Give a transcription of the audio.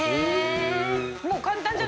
もう簡単じゃないですか？